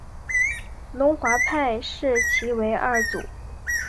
龙华派视其为二祖。